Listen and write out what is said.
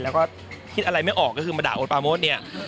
แล้วก็คิดอะไรไม่ออกก็คือมาด่าโอ๊ตปาโมทเนี่ย